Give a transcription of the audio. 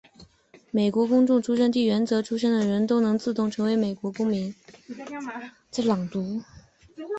美国公民出生地原则出生的人都能自动成为美国公民。